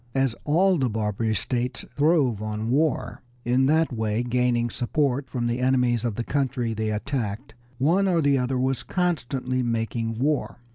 As all the Barbary States throve on war, in that way gaining support from the enemies of the country they attacked, one or the other was constantly making war.